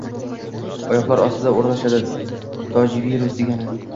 oyoqlar ostida oʼralashadi tojvirus degani